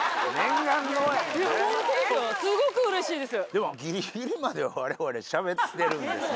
でもギリギリまでわれわれしゃべってるんですね。